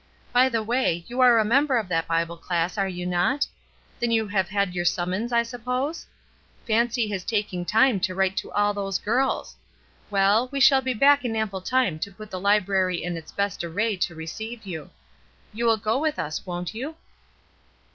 By the way, you are a member of that Bible class, are you not? Then you have had your summons, I suppose? Fancy his takmg time to write to all those girls ! Well, we shall be back in ample time to put the library in its best array to receive you. You will go with us, won't you?"